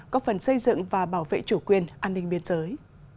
có phần xây dựng và bảo vệ chủ quyền an ninh biên giới